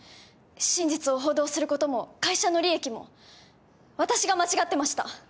真実を報道することも会社の利益も私が間違ってました